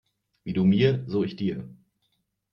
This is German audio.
Wie du mir, so ich dir.